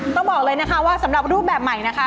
ต้องบอกเลยนะคะว่าสำหรับรูปแบบใหม่นะคะ